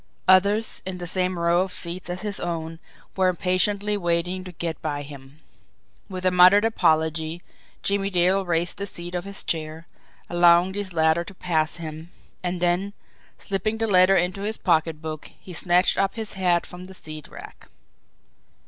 Others, in the same row of seats as his own, were impatiently waiting to get by him. With a muttered apology, Jimmie Dale raised the seat of his chair, allowing these latter to pass him and then, slipping the letter into his pocketbook, he snatched up his hat from the seat rack.